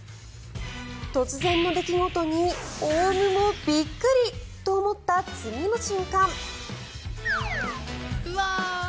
突然の出来事にオウムもびっくりと思った次の瞬間。